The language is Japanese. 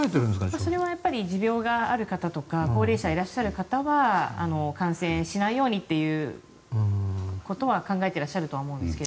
それは持病がある方とか高齢者がいらっしゃるところは感染しないようにということは考えてらっしゃると思いますが。